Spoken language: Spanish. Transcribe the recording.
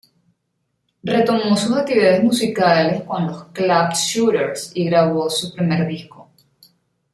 Retomó sus actividades musicales con los Clap Shooters y grabó su primer disco.